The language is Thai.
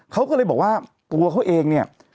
เขาก็เลยบอกว่าตัวเขาเอง